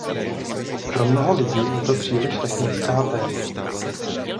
Pro mnoho lidí je to příliš technická téma.